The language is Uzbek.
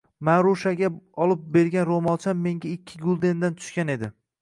Marushaga olib bergan roʻmolcham menga ikki guldenga tushgan edi.